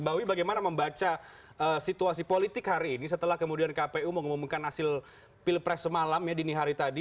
mbak wi bagaimana membaca situasi politik hari ini setelah kemudian kpu mengumumkan hasil pilpres semalam ya dini hari tadi